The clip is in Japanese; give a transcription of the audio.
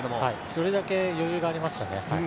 それだけ余裕がありましたね。